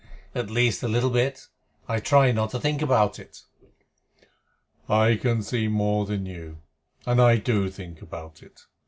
"At least a little bit. I try not to think about it." "I can see more than you, and I do think about it.